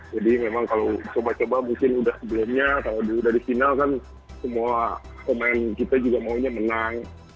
jadi memang kalau coba coba mungkin udah sebelumnya kalau udah di final kan semua pemain kita juga maunya menang